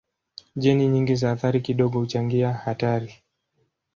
Jeni nyingi za athari kidogo huchangia hatari.